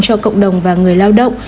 cho cộng đồng và người lao động